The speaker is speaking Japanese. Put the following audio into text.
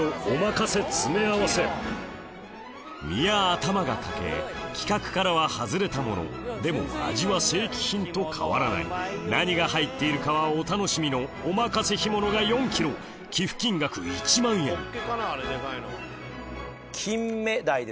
身や頭が欠け規格からは外れたものでも味は正規品と変わらない何が入っているかはお楽しみのお任せ干物が４ｋｇ寄付金額１万円金目！